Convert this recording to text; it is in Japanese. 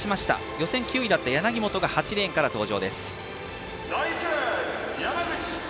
予選９位だった柳本が８レーンで登場です。